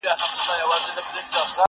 له خولې دي د رقیب د حلوا بوئ راځي ناصحه؛